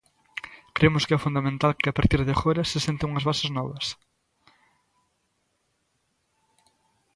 Cremos que é fundamental que, a partir de agora, se senten unhas bases novas.